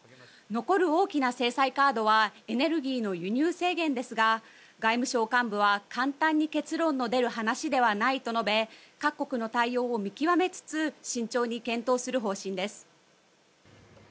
残る大きな制裁カードはエネルギーの輸入制限ですが外務省幹部は簡単に結論の出る話ではないと述べ各国の対応を見極めつつ慎重に検討する方針です。